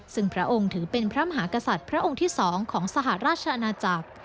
ซึ่งพระองค์ถือเป็นพระมหากษัตริย์พระองค์ที่๒ของสหราชอาณาจักร